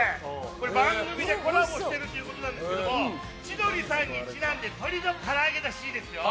番組でコラボしてるということなんですけど千鳥さんにちなんでとりのからあげらしいですよ。